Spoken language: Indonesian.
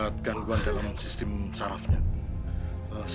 terima kasih pak